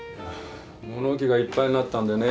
物置がいっぱいになったんでね